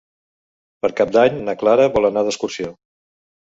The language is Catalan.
Per Cap d'Any na Clara vol anar d'excursió.